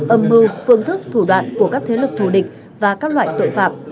âm mưu phương thức thủ đoạn của các thế lực thù địch và các loại tội phạm